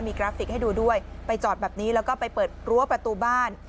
กราฟิกให้ดูด้วยไปจอดแบบนี้แล้วก็ไปเปิดรั้วประตูบ้าน